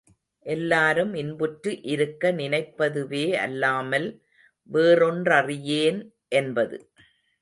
எல்லாரும் இன்புற்று இருக்க நினைப்பதுவே அல்லாமல் வேறொன்றறியேன் என்பது.